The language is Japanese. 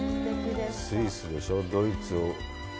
スイスでしょう、ドイツ。